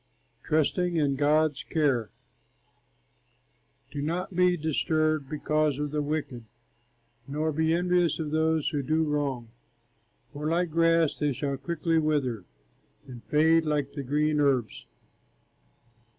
TRUSTING IN GOD'S CARE Be not disturbed because of the wicked, Nor be envious of those who do wrong; For like grass they shall quickly wither, And fade like the green herbs.